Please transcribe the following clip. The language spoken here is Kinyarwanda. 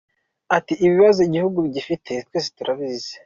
Ati “Ibibazo igihugu gifite twese turabizi.